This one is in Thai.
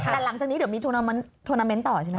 แต่หลังจากนี้เดี๋ยวมีโทรนาเมนต์ต่อใช่ไหม